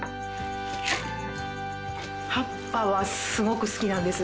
葉っぱはすごく好きなんです。